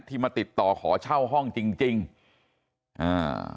มาติดต่อขอเช่าห้องจริงจริงอ่า